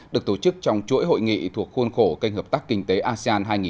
được tổ chức trong chuỗi hội nghị thuộc khuôn khổ kênh hợp tác kinh tế asean hai nghìn hai mươi